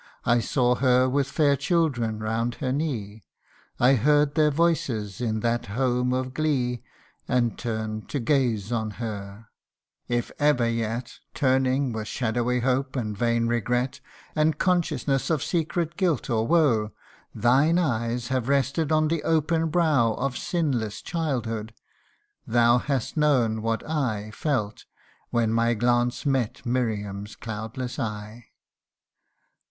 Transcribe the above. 101 I saw her with fair children round her knee, I heard their voices in that home of glee, And turn'd to gaze on her : if ever yet, Turning with shadowy hope, and vain regret, And consciousness of secret guilt or woe, Thine eyes have rested on the open brow Of sinless childhood thou hast known what I Felt, when my glance met Miriam's cloudless eye.